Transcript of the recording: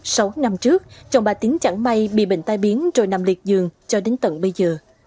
sáu năm trước chồng bà tính chẳng may bị bệnh tai biến rồi nằm liệt dường cho đến tận bây giờ